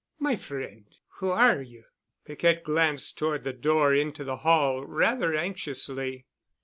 "My friend! Who are you?" Piquette glanced toward the door into the hall rather anxiously.